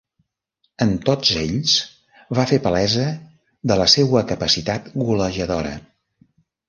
En tots ells va fer palesa de la seua capacitat golejadora.